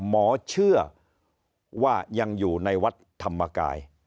หมอเชื่อว่ายังอยู่ในวัดธรรมกาย